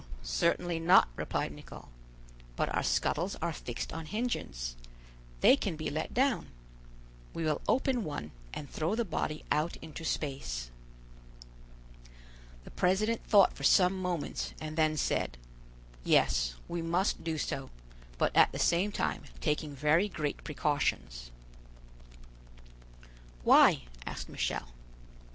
certainly not," replied Nicholl; "but our scuttles are fixed on hinges; they can be let down. We will open one, and throw the body out into space." The president thought for some moments, and then said: "Yes, we must do so, but at the same time taking very great precautions." "Why?" asked Michel.